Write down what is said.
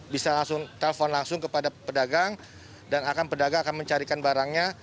bisa langsung telpon langsung kepada pedagang dan akan pedagang akan mencarikan barangnya